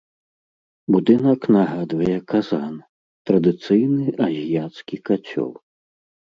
Будынак нагадвае казан, традыцыйны азіяцкі кацёл.